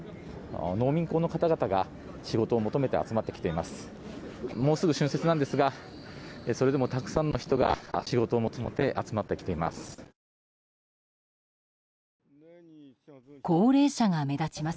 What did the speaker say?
農民工の方々が仕事を求めて集まってきています。